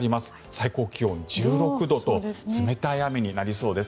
最高気温１６度と冷たい雨になりそうです。